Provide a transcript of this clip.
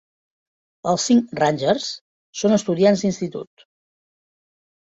Els cinc "rangers" són estudiants d'institut.